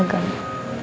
aku mau ke rumah